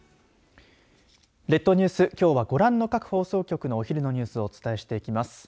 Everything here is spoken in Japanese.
列島ニュース、きょうはご覧の各放送局のお昼のニュースをお伝えしていきます。